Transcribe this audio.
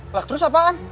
lek terus apaan